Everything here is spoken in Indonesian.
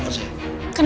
gak ada torn